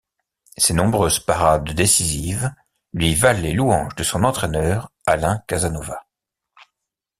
Ses nombreuses parades décisives lui valent les louanges de son entraîneur Alain Casanova.